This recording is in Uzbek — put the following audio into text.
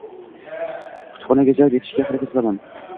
Kutubxonaga jalb etishga harakat qilaman.